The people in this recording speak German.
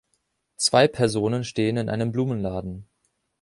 Zwei Personen stehen in einem Blumenladen.